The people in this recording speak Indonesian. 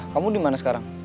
kamu dimana sekarang